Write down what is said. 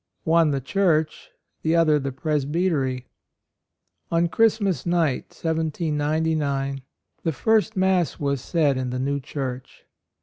85 one the church, the other the presbytery. On Christmas night, 1799, the first Mass was said in the new church.